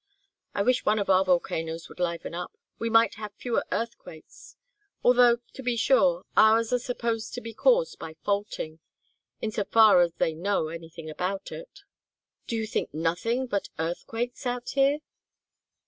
I wish one of our volcanoes would liven up. We might have fewer earthquakes although, to be sure, ours are supposed to be caused by faulting in so far as they know anything about it." "Do you think of nothing but earthquakes out here?